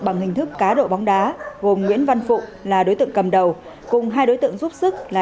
bằng hình thức cá độ bóng đá gồm nguyễn văn phụ là đối tượng cầm đầu cùng hai đối tượng giúp sức là